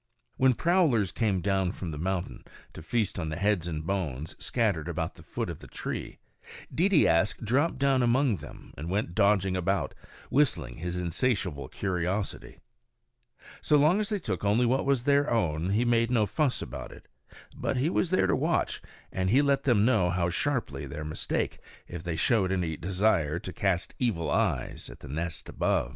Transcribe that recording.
When prowlers came down from the mountain to feast on the heads and bones scattered about the foot of the tree, Deedeeaskh dropped down among them and went dodging about, whistling his insatiable curiosity. So long as they took only what was their own, he made no fuss about it; but he was there to watch, and he let them know sharply their mistake, if they showed any desire to cast evil eyes at the nest above.